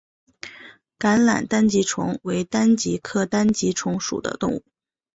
橄榄单极虫为单极科单极虫属的动物。